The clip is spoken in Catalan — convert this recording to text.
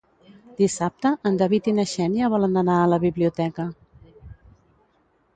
Dissabte en David i na Xènia volen anar a la biblioteca.